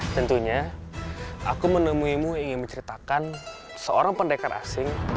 tentunya aku menemuimu ingin menceritakan seorang pendekar asing